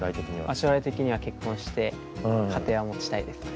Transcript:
将来的には結婚して家庭は持ちたいですね。